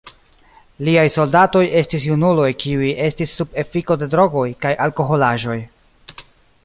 Liaj soldatoj estis junuloj kiuj estis sub efiko de drogoj kaj alkoholaĵoj.